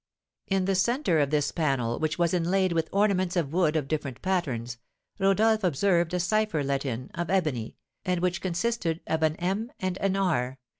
In the centre of this panel, which was inlaid with ornaments of wood of different patterns, Rodolph observed a cipher let in, of ebony, and which consisted of an M. and an R.